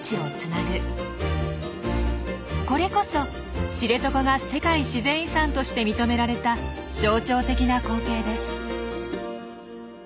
これこそ知床が世界自然遺産として認められた象徴的な光景です。